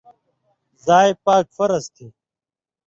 زائ پاک فرض تھی۔